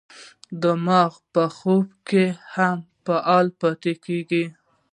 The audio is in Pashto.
دماغ په خوب کې هم فعال پاتې کېږي.